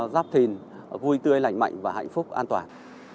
giáp thìn vui tươi lành mạnh và hạnh phúc an toàn